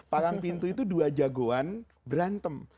palang pintu itu dua jagoan berantem